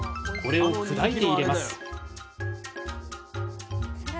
これを砕いて入れます！